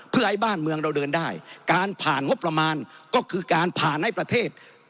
เพื่อให้บ้านเมืองเราเดินได้การผ่านงบประมาณก็คือการผ่านให้ประเทศ